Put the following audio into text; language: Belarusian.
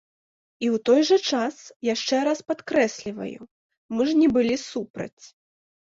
І ў той жа час, яшчэ раз падкрэсліваю, мы ж не былі супраць.